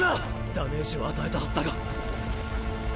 ダメージは与えたはずだが。